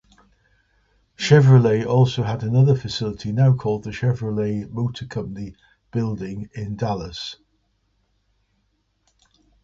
Chevrolet also had another facility, now called the Chevrolet Motor Company Building in Dallas.